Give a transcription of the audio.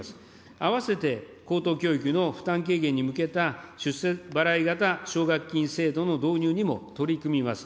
併せて、高等教育の負担軽減に向けた出世払い型奨学金制度の導入にも取り組みます。